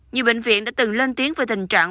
nhiều bệnh viện đã từng lên tiếng về tình trạng